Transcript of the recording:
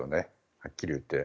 はっきり言って。